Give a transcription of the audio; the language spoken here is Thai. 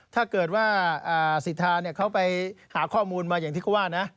ถ้าเกิดว่าสิทธาเขาไปหาข้อมูลมาอย่างที่เขาว่านะ